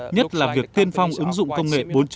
nhất là việc tiên phong ứng dụng công nghệ bốn